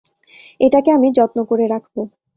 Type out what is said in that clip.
এটাকে আমি যত্ন করে রাখব।